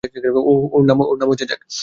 ওর নাম জ্যাক।